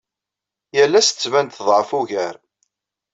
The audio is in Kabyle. Yal ass tettban-d teḍɛef ugar.